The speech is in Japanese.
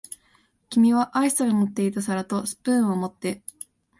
君はアイスが乗っていた皿とスプーンを持って、